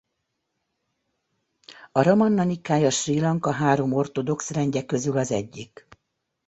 A ramanna-nikája Srí Lanka három ortodox rendje közül az egyik.